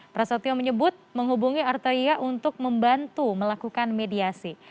prasetyo menyebut menghubungi arteria untuk membantu melakukan mediasi